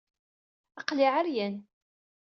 Aql-i ɛeryan.